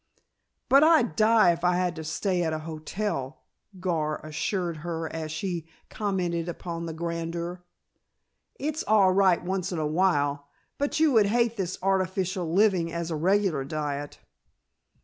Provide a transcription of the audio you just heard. "But I'd die if I had to stay at a hotel," Gar assured her as she commented upon the grandeur. "It's all right once in a while, but you would hate this artificial living as a regular diet."